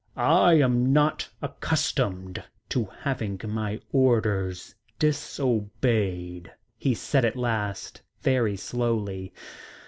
"I am not accustomed to having my orders disobeyed," he said at last, very slowly.